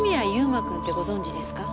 馬くんってご存じですか？